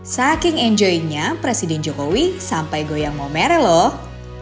saking enjoy nya presiden jokowi sampai goyang momere lho